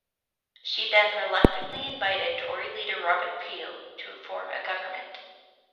She then reluctantly invited Tory leader Robert Peel to form a government.